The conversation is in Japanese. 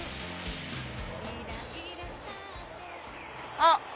あっ！